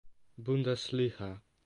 Bundesliga.